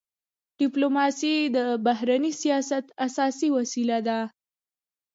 ډيپلوماسي د بهرني سیاست اساسي وسیله ده.